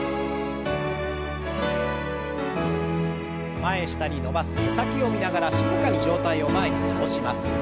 前下に伸ばす手先を見ながら静かに上体を前に倒します。